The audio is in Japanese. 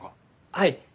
はい。